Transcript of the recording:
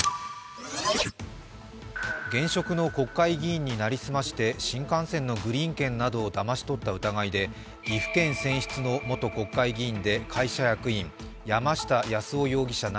現職の国会議員になりすまして新幹線のグリーン券などをだまし取った疑いで岐阜県選出の元国会議員で会社役員山下八洲夫容疑者